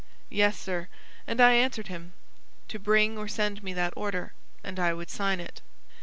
"Yes, sir; and I answered him, to bring or send me that order and I would sign it."